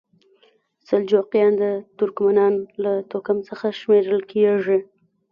سلجوقیان د ترکمنانو له توکم څخه شمیرل کیږي.